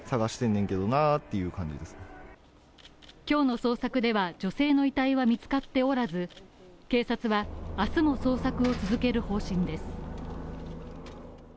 今日の捜索では、女性の遺体は見つかっておらず警察は明日も捜索を続ける方針です。